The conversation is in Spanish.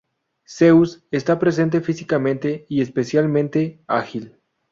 Zeus está presente físicamente y especialmente ágil.